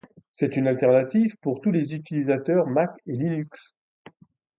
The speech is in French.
C’est une alternative pour tous les utilisateurs Mac et Linux.